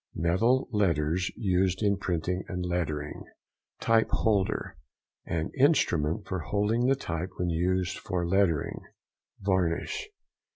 —Metal letters used in printing and lettering. TYPE HOLDER.—An instrument for holding the type when used for lettering. VARNISH.